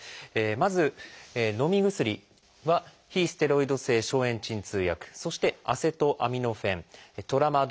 まずのみ薬は非ステロイド性消炎鎮痛薬そしてアセトアミノフェントラマドール塩酸塩。